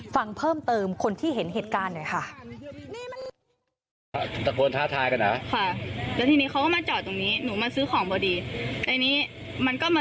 ฟังเพิ่มเติมคนที่เห็นเหตุการณ์หน่อยค่ะ